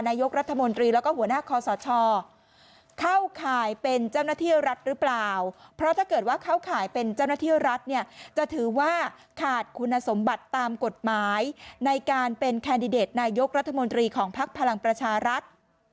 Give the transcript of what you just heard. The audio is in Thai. นายกรัฐมนตรีแล้วก็หัวหน้าคอสชเข้าข่ายเป็นเจ้าหน้าที่รัฐหรือเปล่าเพราะถ้าเกิดว่าเข้าข่ายเป็นเจ้าหน้าที่รัฐเนี่ยจะถือว่าขาดคุณสมบัติตามกฎหมายในการเป็นแคนดิเดตนายกรัฐมนตรีของภักดิ์พลังประชารัฐ